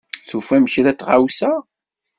Tufam kra n tɣawsa?